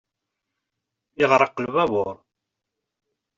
Iɣreq lbabur.